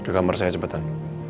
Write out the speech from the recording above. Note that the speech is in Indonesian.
ke kamar saya cepetan